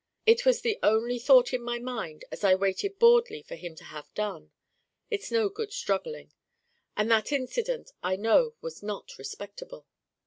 It was the only thought in my mind as I waited boredly for him to have done. (It's no good struggling.) And that incident I know was not Respectable.